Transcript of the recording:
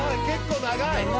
結構長い！